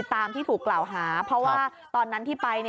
ตามที่ถูกกล่าวหาเพราะว่าตอนนั้นที่ไป